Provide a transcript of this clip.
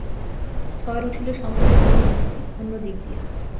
ঝড় উঠিল সম্পূর্ণ অন্য দিক দিয়া।